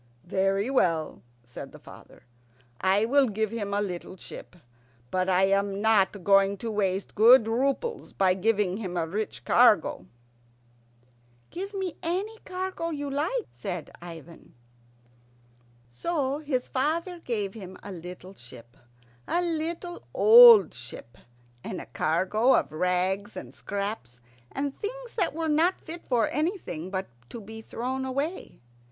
"Very well," said his father. "I will give him a little ship; but I am not going to waste good roubles by giving him a rich cargo." "Give me any cargo you like," said Ivan. So his father gave him a little ship, a little old ship, and a cargo of rags and scraps and things that were not fit for anything but to be thrown away.